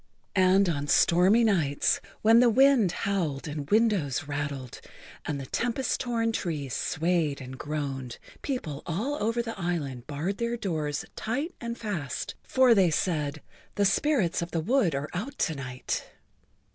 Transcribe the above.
And on stormy nights, when the wind howled and windows rattled and the tempest torn trees swayed and groaned, people all over the island barred their doors tight and fast, for they said: "The spirits of the wood are out to night."